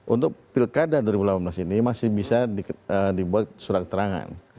untuk pilkada dua ribu delapan belas ini masih bisa dibuat surat terangan